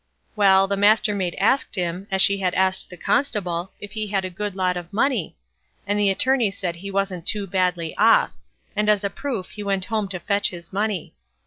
Well, the Mastermaid asked him, as she had asked the Constable, if he had a good lot of money? and the Attorney said he wasn't so badly off; and as a proof he went home to fetch his money.